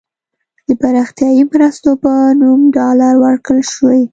د پراختیايي مرستو په نوم ډالر ورکړل شوي.